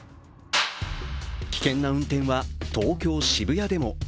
危険な運転は東京・渋谷でも。